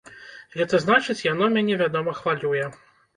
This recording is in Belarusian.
Гэта значыць, яно мяне, вядома, хвалюе.